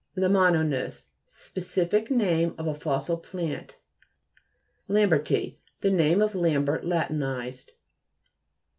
LAM ANO'NIS Specific name of a fos sil plant. LAMBE'RTI The name of Lambert latinized.